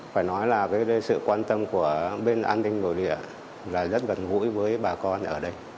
phải nói là sự quan tâm của bên an ninh nội địa là rất gần gũi với bà con ở đây